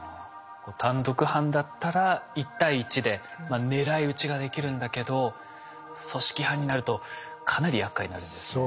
単独犯だったら１対１で狙い撃ちができるんだけど組織犯になるとかなりやっかいになるんですね。